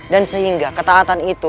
dan sehingga ketaatan itu